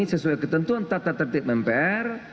sesuai ketentuan tata tertib mpr